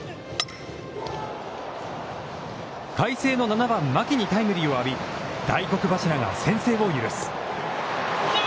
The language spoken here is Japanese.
海星の７番牧にタイムリーを浴び、大黒柱が先制を許す。